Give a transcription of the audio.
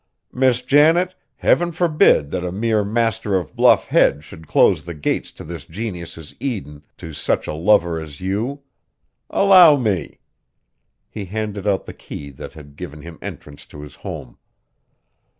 "Miss Janet, heaven forbid! that a mere master of Bluff Head should close the gates to this Genius' Eden to such a lover as you! Allow me." He handed out the key that had given him entrance to his home.